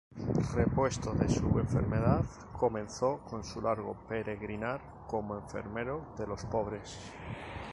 Repuesto de su enfermedad comenzó con su largo peregrinar como enfermero de los pobres.